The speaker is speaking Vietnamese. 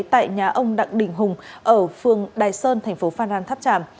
tại nhà ông đặng đình hùng ở phương đài sơn thành phố phan răn tháp tràm